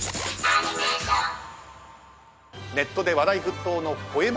ネットで話題沸騰の声